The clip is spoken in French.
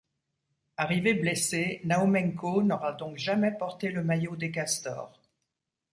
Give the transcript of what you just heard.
Arrivée blessée, Naumenko n'aura donc jamais porté le maillot des Castors.